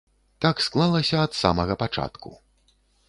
Так склалася ад самага пачатку.